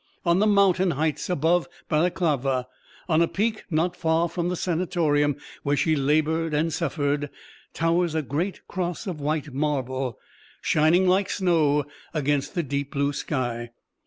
On the mountain heights above Balaklava, on a peak not far from the Sanatorium where she labored and suffered, towers a great cross of white marble, shining like snow against the deep blue sky.